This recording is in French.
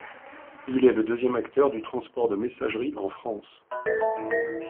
Il est le deuxième acteur du transport de messagerie en France.